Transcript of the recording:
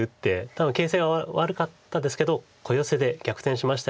多分形勢が悪かったですけど小ヨセで逆転しましたよね。